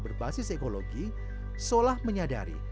berbasis ekologi solah menyadari